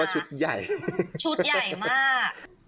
ชุดใหญ่ชุดใหญ่มาก